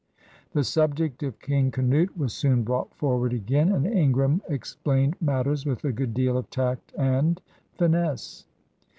The subject of 'King Canute' was soon brought forward again, and Ingram explained matters with a good deal of tact and finesse.